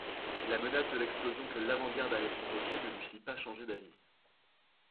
La menace de l'explosion que l'avant-garde allait provoquer ne lui fit pas changer d'avis.